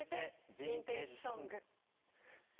ヴィンテージ・ソング』。